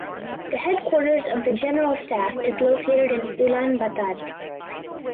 The headquarters of the General Staff is located in Ulaanbaatar.